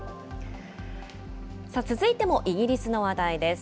続いてもイギリスの話題です。